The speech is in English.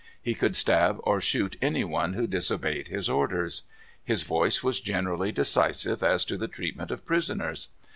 He could stab or shoot any one who disobeyed his orders. His voice was generally decisive as to the treatment of prisoners.